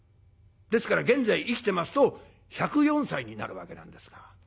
ですから現在生きてますと１０４歳になるわけなんですが。